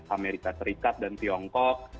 amerika serikat dan tiongkok